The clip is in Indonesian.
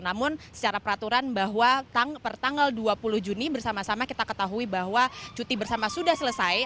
namun secara peraturan bahwa per tanggal dua puluh juni bersama sama kita ketahui bahwa cuti bersama sudah selesai